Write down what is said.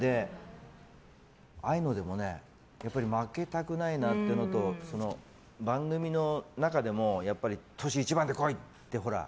ああいうのでも負けたくないなっていうのと番組の中でもトシ、一番で来いっていう。